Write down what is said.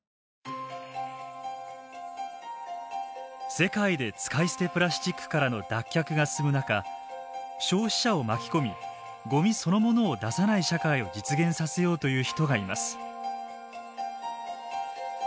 世界で使い捨てプラスチックからの脱却が進む中消費者を巻き込みごみそのものを出さない社会を実現させようという人がいます。